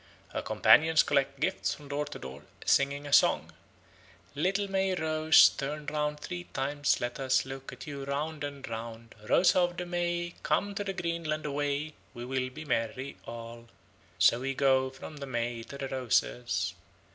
Her companions collect gifts from door to door, singing a song: "Little May Rose turn round three times, Let us look at you round and round! Rose of the May, come to the greenwood away, We will be merry all. So we go from the May to the roses."